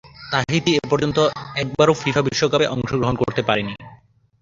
Tahiti এপর্যন্ত একবারও FIFA বিশ্বকাপে অংশগ্রহণ করতে পারেনি।